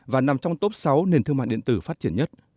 và nằm trong top sáu nền thương mại điện tử phát triển nhất